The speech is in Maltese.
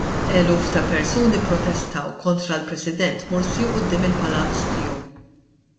Eluf ta' persuni pprotestaw kontra l-President Mursi quddiem il-palazz tiegħu.